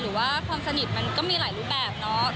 หรือว่าความสนิทมันก็มีหลายรูปแบบเนาะ